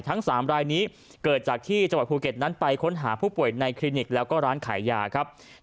ทั้ง๓รายนี้เกิดจากที่จังหวัดภูเก็ตนั้นไปค้นหาผู้ป่วยในคลินิกแล้วก็ร้านขายยาครับ